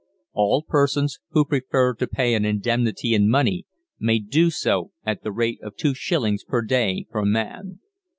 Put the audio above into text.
(ALL PERSONS WHO PREFER to pay an indemnity in money may do so at the rate of 2s. per day per man.)